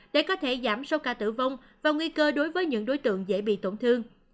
để có thể giảm số ca tử vong và nguy cơ đối với những đối tượng dễ bị tổn thương